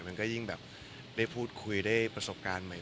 มันก็ยิ่งแบบได้พูดคุยได้ประสบการณ์ใหม่